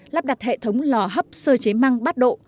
lắp đặt hệ thống lò hấp sơ chế măng bắt độ